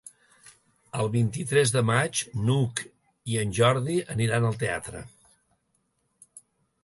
El vint-i-tres de maig n'Hug i en Jordi aniran al teatre.